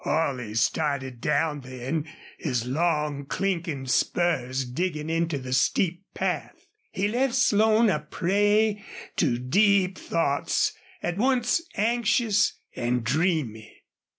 Holley started down then, his long, clinking spurs digging into the steep path. He left Slone a prey to deep thoughts at once anxious and dreamy.